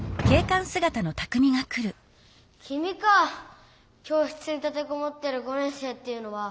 きみか教室に立てこもってる５年生っていうのは。